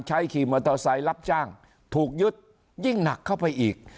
ขี่มอเตอร์ไซค์รับจ้างถูกยึดยิ่งหนักเข้าไปอีก